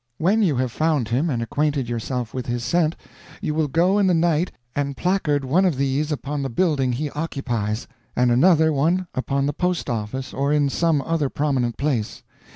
"When you have found him and acquainted yourself with his scent, you will go in the night and placard one of these upon the building he occupies, and another one upon the post office or in some other prominent place.